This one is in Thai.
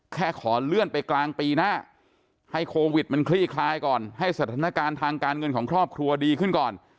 ขอเลื่อนไปกลางปีหน้าให้โควิดมันคลี่คลายก่อนให้สถานการณ์ทางการเงินของครอบครัวดีขึ้นก่อน